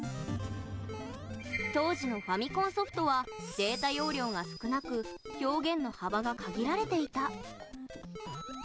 当時のファミコンソフトはデータ容量が少なく表現の幅が限られていた。